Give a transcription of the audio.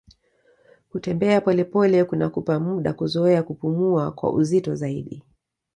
kutembea polepole kunakupa muda kuzoea kupumua kwa uzito zaidi